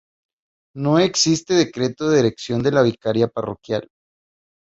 No existe decreto de erección de la vicaría parroquial.